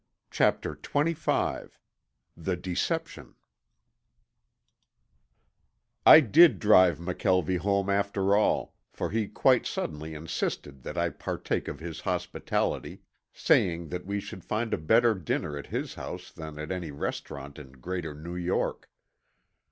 CHAPTER XXV THE DECEPTION I did drive McKelvie home after all, for he quite suddenly insisted that I partake of his hospitality, saying that we should find a better dinner at his house than at any restaurant in Greater New York.